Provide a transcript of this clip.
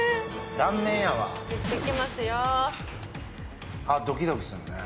断面やわいきますよ